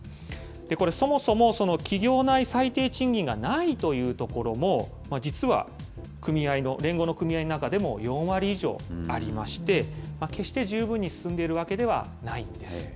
これ、そもそも企業内最低賃金がないというところも実は組合の、連合の組合の中でも４割以上ありまして、決して十分に進んでいるわけではないんです。